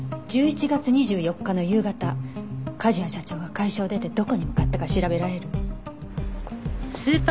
１１月２４日の夕方梶谷社長が会社を出てどこに向かったか調べられる？